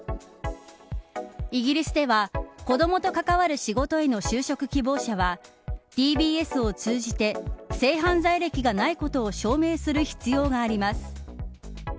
イギリスでは子どもと関わる仕事への就職希望者は、ＤＢＳを通じて性犯罪歴がないことを証明する必要があります。